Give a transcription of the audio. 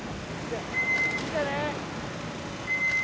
見てね！